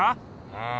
うん。